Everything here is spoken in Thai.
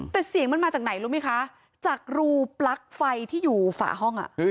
แต่เสียงมันมาจากไหนรู้ไหมคะจากรูปลั๊กไฟที่อยู่ฝาห้อง